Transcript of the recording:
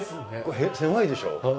部屋狭いでしょ。